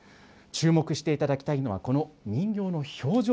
注目していただきたいのは、この人形の表情。